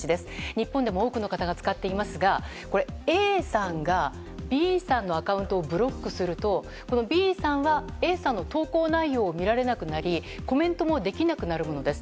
日本でも多くの方が使っていますがＡさんがＢさんのアカウントをブロックするとＢさんはＡさんの投稿内容を見られなくなりコメントもできなくなるものです。